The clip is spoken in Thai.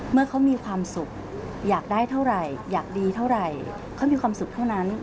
เมื่อเขามีความสุขอยากได้เท่าไหร่อยากดีเท่าไหร่เขามีความสุขเท่านั้น